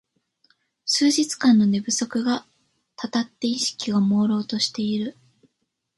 数日間の寝不足がたたって意識がもうろうとしている